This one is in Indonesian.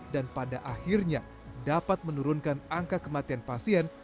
dan pada akhirnya dapat menurunkan angka kematian pasien